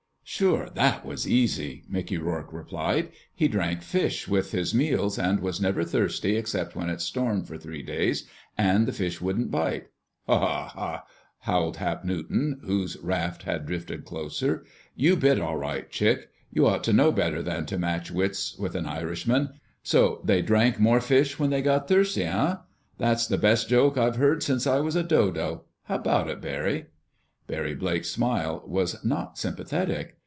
"Sure, that was easy!" Mickey Rourke replied. "He drank fish with his meals and was never thirsty except when it stormed for three days and the fish wouldn't bite—" "Haw, haw, haw!" howled Hap Newton, whose raft had drifted closer. "You bit, all right, Chick. You ought to know better than to match wits with an Irishman. So they drank more fish when they got thirsty, huh! That's the best joke I've heard since I was a dodo. How about it, Barry?" Barry Blake's smile was not sympathetic.